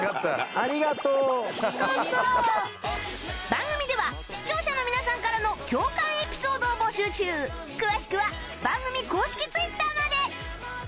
番組では視聴者の皆さんからの共感エピソードを募集中詳しくは番組公式 Ｔｗｉｔｔｅｒ まで